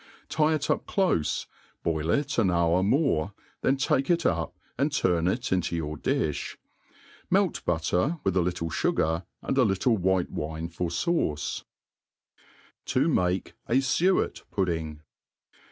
Tie it up clofe, boil it an hour more, then take it up and turn it into your diih ; melt butter, with a littl^ fugar, and a little white wine for fauce* To mate a Smi Puddlng.